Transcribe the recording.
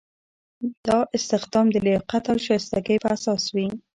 دا استخدام د لیاقت او شایستګۍ په اساس وي.